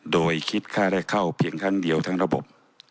โดยคิดค่าได้เข้าเพียงครั้งเดียวทั้งระบบ